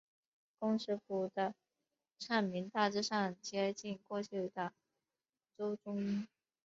工尺谱的唱名大致上接近过去的中州音。